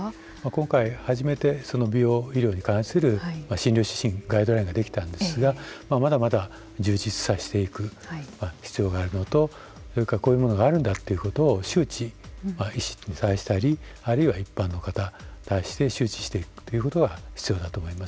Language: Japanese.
今回、初めてその美容医療に関する診療指針ガイドラインができたんですがまだまだ充実させていく必要があるのとそれから、こういうものがあるんだということを周知医師に対したりあるいは一般の方に対して周知していくということが必要だと思います。